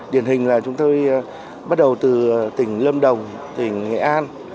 điển hình là chúng tôi bắt đầu từ tỉnh lâm đồng tỉnh nghệ an